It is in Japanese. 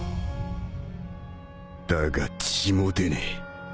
だが血も出ねえ